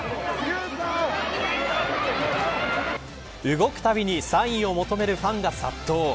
動くたびにサインを求めるファンが殺到。